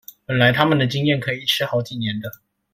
本來他們的經驗可以一吃好幾年的